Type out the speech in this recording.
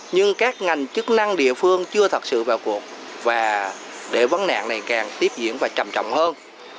nhưng các ngành chức năng địa phương chưa thật sự vào cuộc và để vấn nạn này càng tiếp diễn và trầm trọng hơn